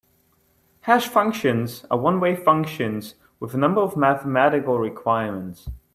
Hash functions are one-way functions with a number of mathematical requirements.